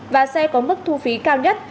và xe có mức thu phí cao nhất